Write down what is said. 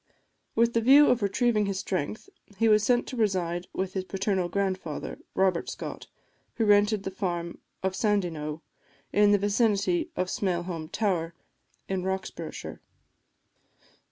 With the view of retrieving his strength, he was sent to reside with his paternal grandfather, Robert Scott, who rented the farm of Sandyknowe, in the vicinity of Smailholm Tower, in Roxburghshire.